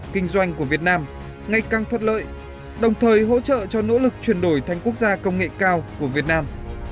kinh doanh của việt nam ngày càng thoát lợi đồng thời hỗ trợ cho nỗ lực chuyển đổi thành quốc gia công nghệ cao của việt nam